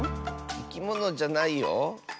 いきものじゃないよ。